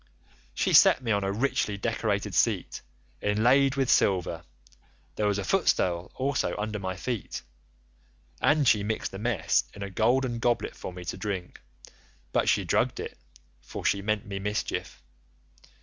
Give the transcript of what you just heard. She set me on a richly decorated seat inlaid with silver, there was a footstool also under my feet, and she mixed a mess in a golden goblet for me to drink; but she drugged it, for she meant me mischief.